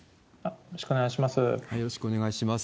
よろしくお願いします。